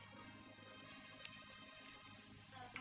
dan setiap minggu